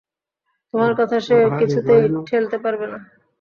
তোমার কথা সে কিছুতেই ঠেলতে পারবে না।